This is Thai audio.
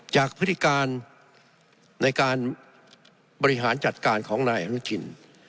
พฤติการในการบริหารจัดการของนายอนุทิน